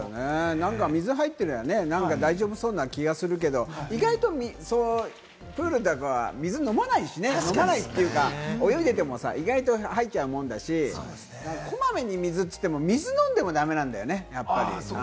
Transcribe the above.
水に入ってりゃね、大丈夫そうな気がするけれども、意外とプールとかは水飲まないしね、泳いでてもさ、意外と吐いちゃうもんだし、こまめに水って言っても水飲んでも駄目なんだよね。